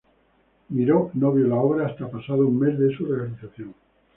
Miró no vio la obra hasta pasado un mes de su realización.